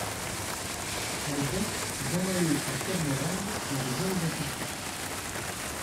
À l’époque, Jean Mallot et Pierre Morange l’avaient bien identifié.